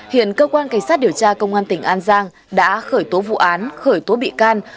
hiện cơ quan cảnh sát điều tra công an tỉnh an giang đã khởi tố vụ án khởi tố bị can